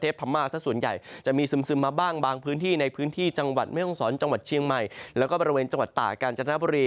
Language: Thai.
ฝ้ายนระเบียบไชน์สีไทยนะครับ